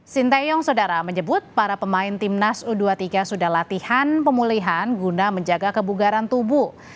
sintayong sodara menyebut para pemain timnas u dua puluh tiga sudah latihan pemulihan guna menjaga kebugaran tubuh